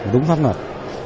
đúng pháp luật